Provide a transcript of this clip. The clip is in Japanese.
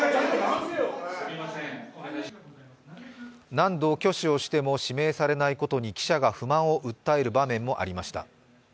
何度挙手をしても指名されないことに記者が不満を訴える場面もありました。